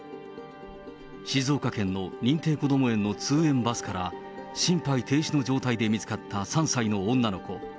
静岡県の認定こども園の通園バスから、心肺停止の状態で見つかった３歳の女の子。